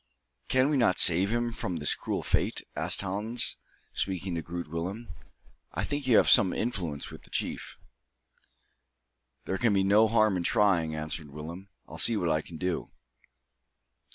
"Can we not save him from this cruel fate?" asked Hans, speaking to Groot Willem. "I think you have some influence with the chief." "There can be no harm in trying," answered Willem. "I'll see what I can do."